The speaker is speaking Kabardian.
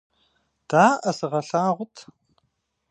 Даӏэ, сыгъэлъагъут!